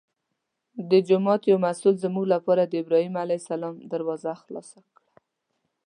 د جومات یو مسوول زموږ لپاره د ابراهیم علیه السلام دروازه خلاصه کړه.